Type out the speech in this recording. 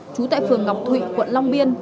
trú tại phường ngọc thụy quận long biên